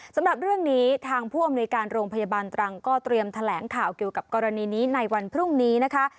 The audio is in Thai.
สำหรับเรื่องนี้ทางผู้อำนวยการโรงพยาบาลตรังก็เตรียมแถลงข่าวเกี่ยวกับกรณีนี้ในวันพรุ่งนี้นะคะ